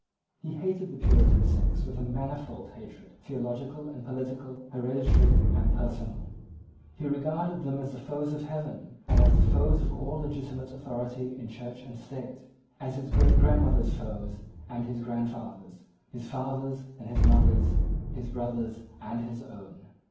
He hated the Puritan sects with a manifold hatred, theological and political, hereditary and personal. He regarded them as the foes of Heaven, as the foes of all legitimate authority in Church and State, as his great grandmother's foes and his grandfather's, his father's and his mother's, his brother's and his own.